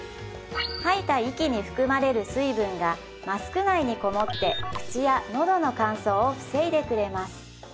吐いた息に含まれる水分がマスク内に籠もって口やのどの乾燥を防いでくれます